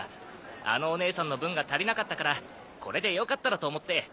あのおねえさんの分が足りなかったからこれでよかったらと思って。